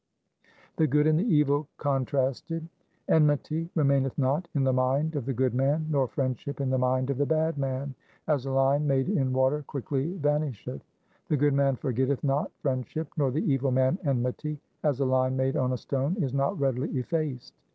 3 The good and the evil contrasted :— Enmity remaineth not in the mind of the good man, nor friendship in the mind of the bad man, as a line made in water quickly vanisheth. The good man forgetteth not friendship, nor the evil man enmity, as a line made on a stone is not readily effaced.